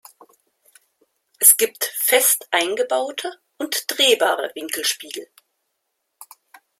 Es gibt fest eingebaute und drehbare Winkelspiegel.